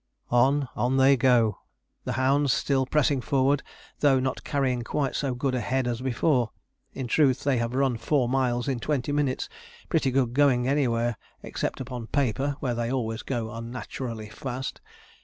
On, on they go; the hounds still pressing forward, though not carrying quite so good a head as before. In truth, they have run four miles in twenty minutes; pretty good going anywhere except upon paper, where they always go unnaturally fast.